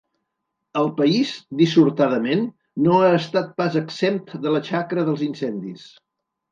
El país, dissortadament, no ha estat pas exempt de la xacra dels incendis.